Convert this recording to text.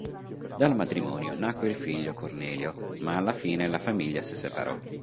Dal matrimonio nacque il figlio Cornelio, ma alla fine la famiglia si separò.